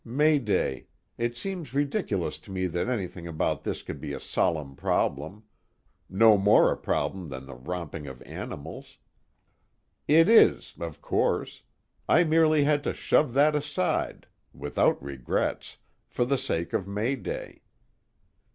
May day, it seemed ridiculous to me that anything about this could be a solemn Problem no more a problem than the romping of animals. It is, of course I merely had to shove that aside (without regrets) for the sake of May day.